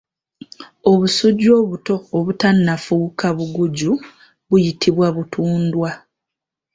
Obusujju obuto obutannafuuka buguju buyitibwa butundwa.